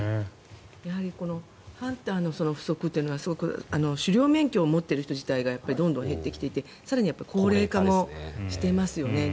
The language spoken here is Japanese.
やはりハンターの不足というのは狩猟免許を持っている人自体がどんどん減ってきていて更に高齢化もしていますよね。